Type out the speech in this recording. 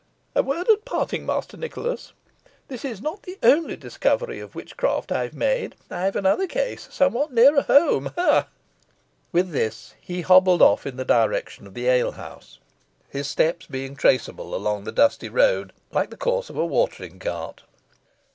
"A word at parting, Master Nicholas. This is not the only discovery of witchcraft I've made. I've another case, somewhat nearer home. Ha! ha!" With this, he hobbled off in the direction of the alehouse, his steps being traceable along the dusty road like the course of a watering cart.